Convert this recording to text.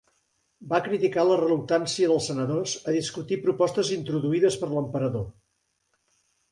Va criticar la reluctància dels senadors a discutir propostes introduïdes per l'emperador.